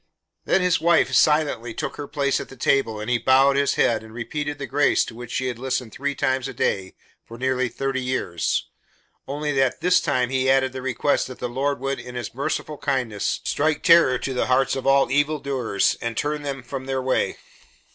Then his wife silently took her place at the table and he bowed his head and repeated the grace to which she had listened three times a day for nearly thirty years, only that this time he added the request that the Lord would, in his "merciful kindness, strike terror to the hearts of all evildoers and turn them from their way."